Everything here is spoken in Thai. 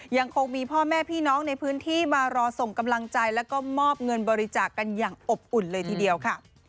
ยังคงมีพ่อแม่พี่น้องในพื้นที่มารอส่งกำลังใจแล้วก็มอบเงินบริจาคกันอย่างอบอุ่นเลยทีเดียวค่ะ